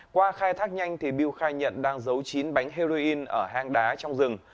qua khai thác nhanh bưu khai nhận đang giấu chín bánh heroin ở hang đá trong rừng